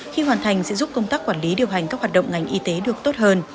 khi hoàn thành sẽ giúp công tác quản lý điều hành các hoạt động ngành y tế được tốt hơn